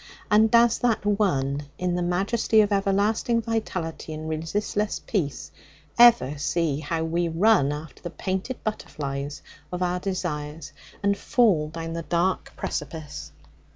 And does that One, in the majesty of everlasting vitality and resistless peace, ever see how we run after the painted butterflies of our desires and fall down the dark precipice?